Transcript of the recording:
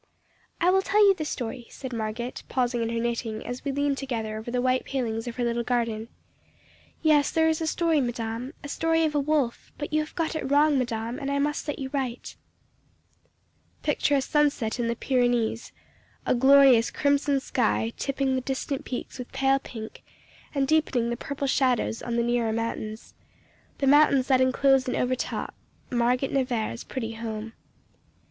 "I will tell you the story," said Margotte, pausing in her knitting, as we leaned together over the white palings of her little garden. "Yes, there is a story, madame a story of a wolf; but you have got it wrong, madame, and I must set you right." Picture a sunset in the Pyrenees, a glorious crimson sky tipping the distant peaks with pale pink, and deepening the purple shadows on the nearer mountains the mountains that inclose and overtop Margotte Nevaire's pretty home.